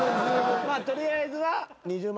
取りあえずは２０万